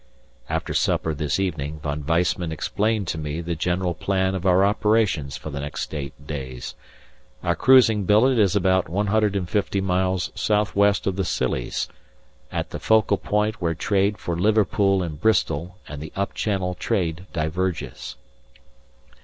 After supper this evening Von Weissman explained to me the general plan of our operations for the next eight days. Our cruising billet is about 150 miles south west of the Scillys, at the focal point where trade for Liverpool and Bristol and the up channel trade diverges.